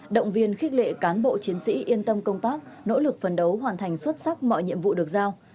động viên khích lệ cán bộ chiến sĩ yên tâm công tác nỗ lực phấn đấu hoàn thành xuất sắc mọi nhiệm vụ được giao